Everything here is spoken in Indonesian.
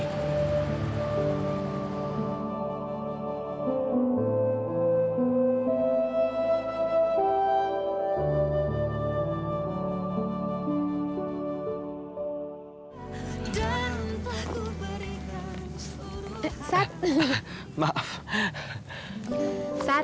tapi cukup kebiasaan